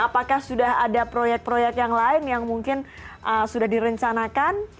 apakah sudah ada proyek proyek yang lain yang mungkin sudah direncanakan